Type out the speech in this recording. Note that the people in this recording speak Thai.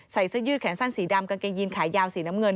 เสื้อยืดแขนสั้นสีดำกางเกงยีนขายาวสีน้ำเงิน